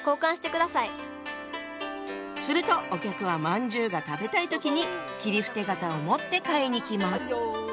するとお客はまんじゅうが食べたい時に切符手形を持って買いに来ます。